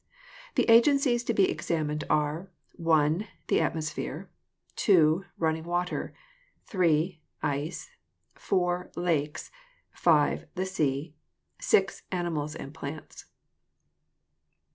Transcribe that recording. The agencies to be ex amined are: (i) The atmosphere, (2) running water, (3) ice, (4) lakes, (5) the sea, (6) animals and plants.